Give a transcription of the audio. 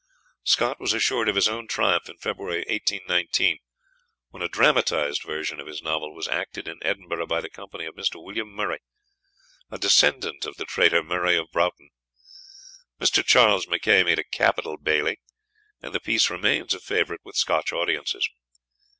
Scott was assured of his own triumph in February 1819, when a dramatised version of his novel was acted in Edinburgh by the company of Mr. William Murray, a descendant of the traitor Murray of Broughton. Mr. Charles Mackay made a capital Bailie, and the piece remains a favourite with Scotch audiences.